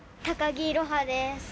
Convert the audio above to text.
木いろはです